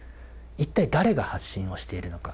一体誰が発信をしているのか。